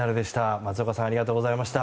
松岡さんありがとうございました。